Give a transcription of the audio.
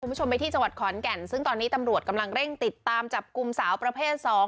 คุณผู้ชมไปที่จังหวัดขอนแก่นซึ่งตอนนี้ตำรวจกำลังเร่งติดตามจับกลุ่มสาวประเภทสอง